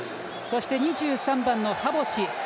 ２３番のハボシ。